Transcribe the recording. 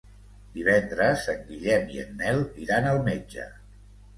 Divendres en Guillem i en Nel iran al metge.